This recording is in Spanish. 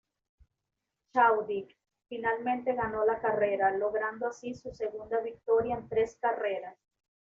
Chadwick finalmente ganó la carrera, logrando así su segunda victoria en tres carreras.